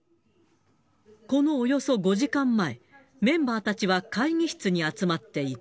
このおよそ５時間前、メンバーたちは会議室に集まっていた。